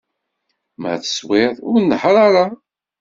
Ma teswiḍ, ur nehheṛ ara!